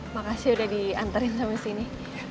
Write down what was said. makasih udah diantarin sama sini